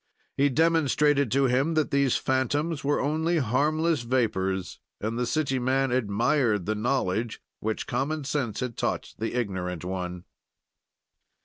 "He demonstrated to him that these fantoms were only harmless vapors, and the city man admired the knowledge which common sense had taught the ignorant one."